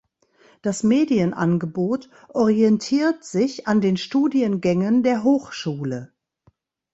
Das Medienangebot orientiert sich an den Studiengängen der Hochschule.